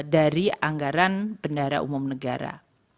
jadi anggaran bendara umum negara